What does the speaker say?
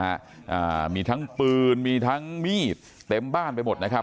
อ่ามีทั้งปืนมีทั้งมีดเต็มบ้านไปหมดนะครับ